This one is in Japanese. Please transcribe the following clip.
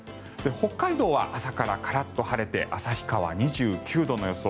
北海道は朝からカラッと晴れて旭川、２９度の予想。